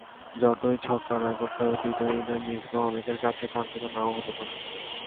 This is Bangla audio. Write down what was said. যতই ছক্কার রেকর্ড থাকুক, টি-টোয়েন্টিতে মিসবাহ অনেকের কাছে কাঙ্ক্ষিত নাও হতে পারেন।